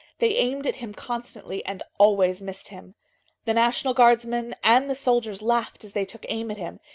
They aimed at him constantly, and always missed him. The National Guardsmen and the soldiers laughed as they took aim at him.